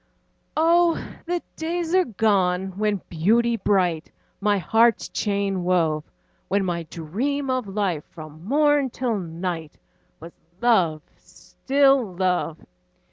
Oh! the days are gone, when Beauty bright My heart's chain wove; When my dream of life, from morn till night, Was love, still love.